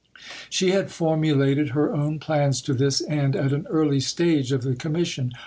She had formulated her own plans to this end at an early stage of the Commission.